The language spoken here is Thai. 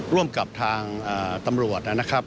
ร่วมกับทางตำรวจนะครับ